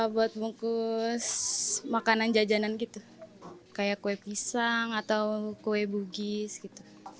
buat bungkus makanan jajanan gitu kayak kue pisang atau kue bugis gitu